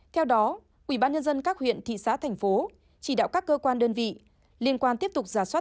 theo đó ubnd các huyện thị xã thành phố chỉ đạo các cơ quan đơn vị liên quan tiếp tục giả soát